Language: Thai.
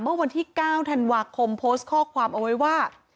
เมื่อวันที่๙ธันวาคมโพสต์ข้อความเอาไว้ว่า